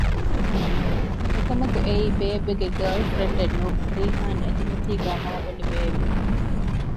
އެކަމަކު އެއީ ބޭބެގެ ގާރލް ފްރެންޑެއް ނޫން ރީޙާން އެނދުމަތީގައި މާބޮނޑި ބޭއްވި